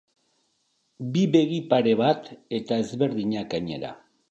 Bi begi-pare bat, eta ezberdinak, gainera.